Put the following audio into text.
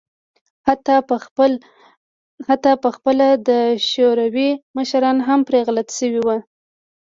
حتی په خپله د شوروي مشران هم پرې غلط شوي وو.